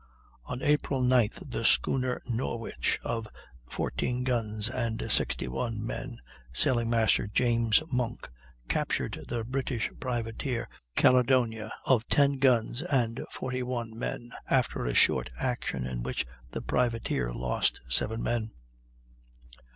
On April 9th the schooner Norwich, of 14 guns and 61 men, Sailing master James Monk, captured the British privateer Caledonia, of 10 guns and 41 men, after a short action in which the privateer lost 7 men.